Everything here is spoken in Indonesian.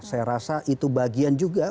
saya rasa itu bagian juga